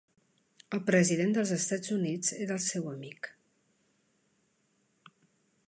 El president dels Estats Units era el seu amic.